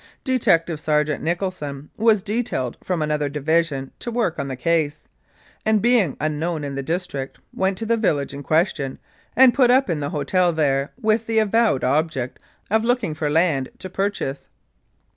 Detective Sergeant Nicholson was detailed from another division to work on the case, and being un known in the district, went to the village in question and put up at the hotel there with the avowed object of looking for land to purchase.